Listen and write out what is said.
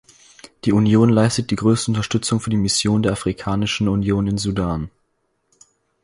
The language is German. Die Union leistet die größte Unterstützung für die Mission der Afrikanischen Union in Sudan.